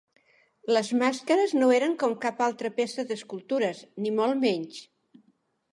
Les màscares no eren com cap altra peça d'escultures, ni molt menys.